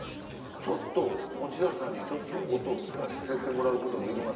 ちょっと持田さんに音聴かせてもらうことできます？